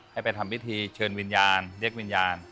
ให้ไปทำพิธีเชิญวิญญาณเรียกวิญญาณ